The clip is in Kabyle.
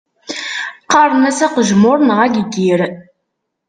Qqaren-as aqejmur neɣ ageyyir.